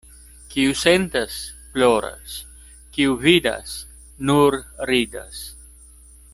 Kiu sentas — ploras, kiu vidas — nur ridas.